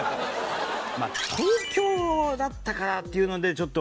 まあ東京だったからっていうのでちょっと。